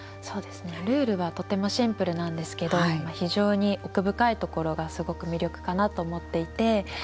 ルールはとてもシンプルなんですけれど非常に奥深いところがすごく魅力かなと思っていて。